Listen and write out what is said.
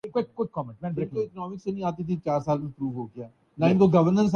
۔کارکردگی دکھانے والے کھلاڑیوں سے بھی گئے گزرے ہیں ۔